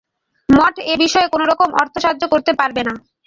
মঠ এ-বিষয়ে কোন রকম অর্থসাহায্য করতে পারবে না।